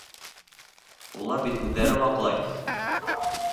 Улар бит үҙҙәре ваҡлай.